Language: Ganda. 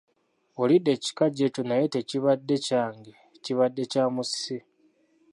Olidde ekikajjo ekyo naye tekibadde kyange kibadde kya Musisi.